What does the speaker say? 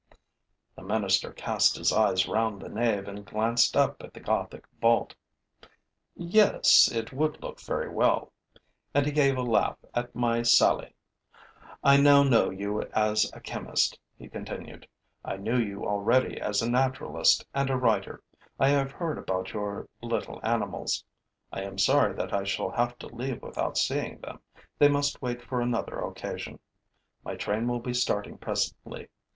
The minister cast his eyes round the nave and glanced up at the Gothic vault: 'Yes, it would look very well.' And he gave a laugh at my sally. 'I now know you as a chemist,' he continued. 'I knew you already as a naturalist and a writer. I have heard about your little animals. I am sorry that I shall have to leave without seeing them. They must wait for another occasion. My train will be starting presently.